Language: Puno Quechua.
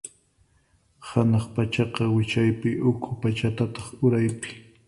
Hanaq pachaqa wichaypi, ukhu pachataq uraypi.